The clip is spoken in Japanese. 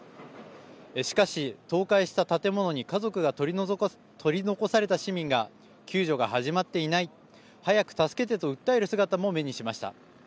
しかし、倒壊した建物に家族が取り残された市民が救助が始まっていない早く助けてと訴える姿も目にしました。